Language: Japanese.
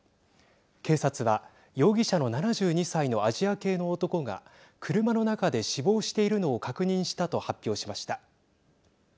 警察は容疑者の７２歳のアジア系の男が車の中で死亡しているのを確認したと発表しました。